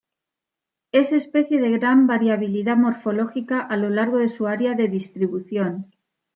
Es especie de gran variabilidad morfológica a lo largo de su área de distribución.